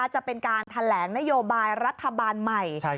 จะเป็นการแถลงนโยบายรัฐบาลใหม่